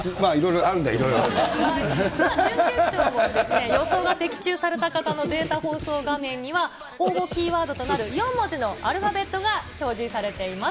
さあ、準決勝、予想が的中された方のデータ放送画面には、応募キーワードとなる４文字のアルファベットが表示されています。